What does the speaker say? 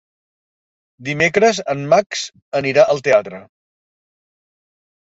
Dimecres en Max anirà al teatre.